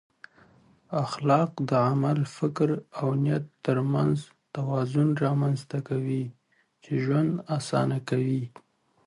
اخلاق د عمل، فکر او نیت ترمنځ توازن رامنځته کوي چې ژوند اسانه کوي.